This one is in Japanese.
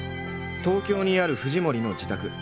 東京にある藤森の自宅。